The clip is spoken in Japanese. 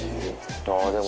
あぁでも。